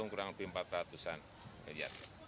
sekarang kurang lebih empat ratus an